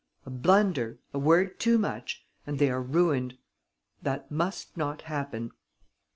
A blunder, a word too much; and they are ruined. That must not happen."